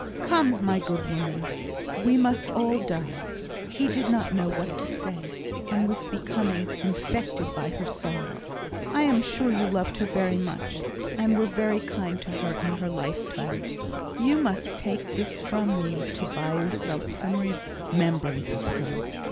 "Come, my good woman! we must all die " he did not know what to say, and was becoming infected by her sorrow. "I am sure you loved her very much, and were very kind to her in her lifetime; you must take this from me to buy yourself some remembrance of her."